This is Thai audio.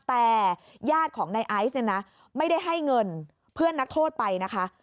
แต่ญาติของนายไอซ์เนี่ยนะไม่ได้ให้เงินเพื่อนนักโทษไปนะคะ